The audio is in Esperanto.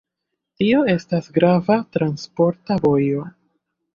Tio estas grava transporta vojo.